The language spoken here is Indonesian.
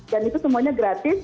dan itu semuanya gratis